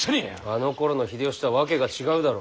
あのころの秀吉とは訳が違うだろう。